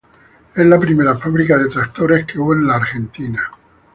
Es la primera fábrica de tractores que hubo en la Argentina.